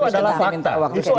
itu adalah fakta